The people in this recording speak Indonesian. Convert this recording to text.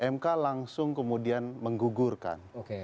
mk langsung kemudian menggugurkan